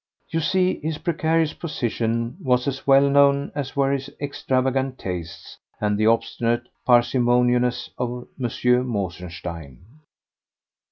You see, his precarious position was as well known as were his extravagant tastes and the obstinate parsimoniousness of M. Mosenstein.